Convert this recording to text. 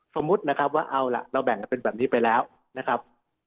สมมุตินะครับว่าเอาล่ะเราแบ่งกันเป็นแบบนี้ไปแล้วนะครับ